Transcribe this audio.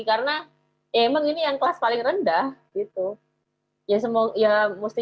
karena ya emang ini yang kelas paling rendah gitu